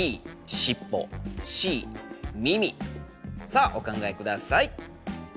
さあお考えください。